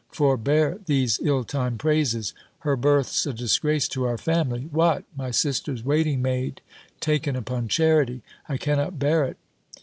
forbear these ill timed praises; her birth's a disgrace to our family. What! my sister's waiting maid, taken upon charity! I cannot bear it."